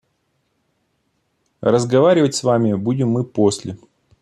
– А разговаривать с вами будем мы после.